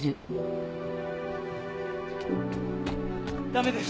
駄目です。